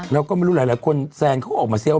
แล้วก็ไม่รู้หลายคนแซนเขาก็ออกมาเสี้ยว